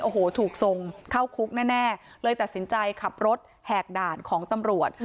โอ้โหถูกส่งเข้าคุกแน่เลยตัดสินใจขับรถแหกด่านของตำรวจ